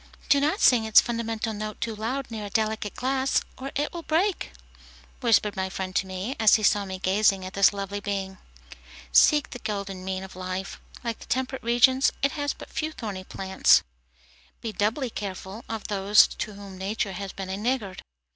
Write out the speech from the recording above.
"Do not sing its fundamental note too loud near a delicate glass, or it will break," whispered my friend to me, as he saw me gazing at this lovely being. Seek the golden mean of life. Like the temperate regions, it has but few thorny plants. Be doubly careful of those to whom nature has been a niggard.